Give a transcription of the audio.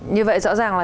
như vậy rõ ràng là